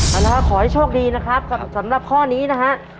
ขอให้โชคดีนะครับสำหรับข้อนี้นะฮะ